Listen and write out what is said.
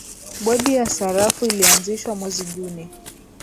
bodi ya sarafu ilianzishwa mwezi juni